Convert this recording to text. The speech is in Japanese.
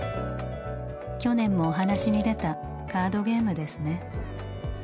去年もお話に出たカードゲームですね。